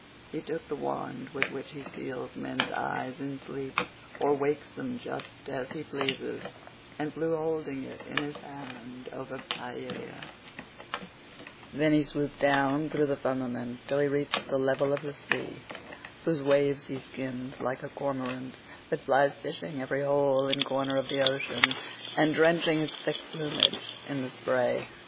He took the wand with which he seals men's eyes in sleep or wakes them just as he pleases, and flew holding it in his hand over Pieria; then he swooped down through the firmament till he reached the level of the sea, whose waves he skimmed like a cormorant that flies fishing every hole and corner of the ocean, and drenching its thick plumage in the spray.